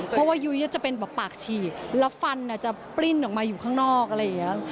เพราะว่ายุ้ยจะเป็นแบบปากฉีกแล้วฟันอาจจะปลิ้นออกมาอยู่ข้างนอกอะไรอย่างนี้